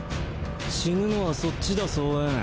死ぬのはそっちだ蒼炎。